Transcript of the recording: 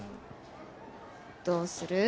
どうする？